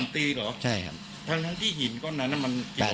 เธอก็เคยมีเรื่องอะไรกัน